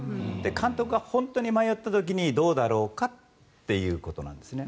監督が本当に迷った時にどうだろうかということなんですね。